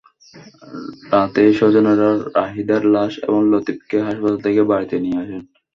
রাতেই স্বজনেরা রাহিদার লাশ এবং লতিফকে হাসপাতাল থেকে বাড়িতে নিয়ে আসেন।